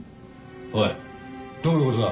おいどういう事だ？